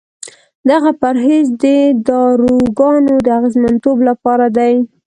دغه پرهیز د داروګانو د اغېزمنتوب لپاره دی.